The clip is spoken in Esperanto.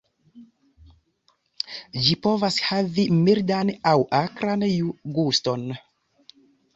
Ĝi povas havi mildan aŭ akran guston.